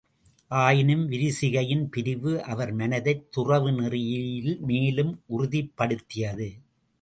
ஆயினும் விரிசிகையின் பிரிவு அவர் மனத்தைத் துறவு நெறியில் மேலும் உறுதிப் படுத்தியது.